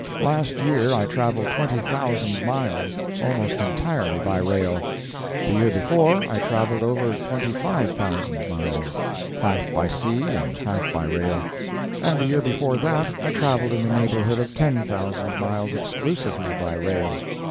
Last year I travelled twenty thousand miles, almost entirely by rail; the year before, I travelled over twenty five thousand miles, half by sea and half by rail; and the year before that I travelled in the neighborhood of ten thousand miles, exclusively by rail.